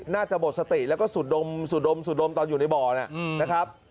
น่าจะหมดสติและสุดโดมตอนอยู่ในบอร์นะครับ